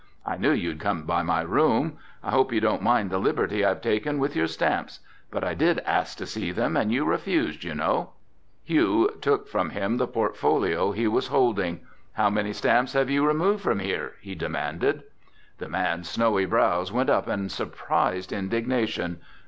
I knew you'd come by my room. I hope you don't mind the liberty I've taken with your stamps. But I did ask to see them and you refused, you know?" Hugh took from him the portfolio he was holding. "How many stamps have you removed from here?" he demanded. The man's snowy brows went up in surprised indignation.